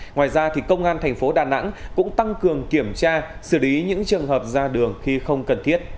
ngoài ra công an thành phố đà nẵng cũng tăng cường kiểm tra xử lý những trường hợp ra đường khi không cần thiết